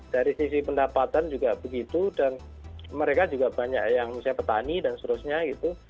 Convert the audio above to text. dari sisi pendapatan juga begitu dan mereka juga banyak yang misalnya petani dan seterusnya gitu